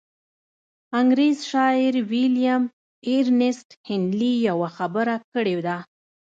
انګرېز شاعر ويليام ايرنيسټ هينلي يوه خبره کړې ده.